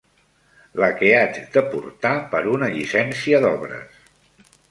La que haig de portar per una llicència d'obres.